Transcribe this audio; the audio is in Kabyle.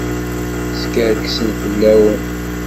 Skerksen fell-awen.